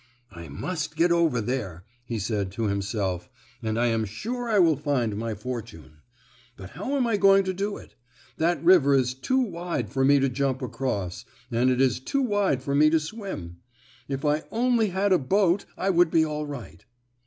"I must get over there," he said to himself, "and I am sure I will find my fortune. But how am I going to do it? That river is too wide for me to jump across, and it is too wide for me to swim. If I only had a boat I would be all right."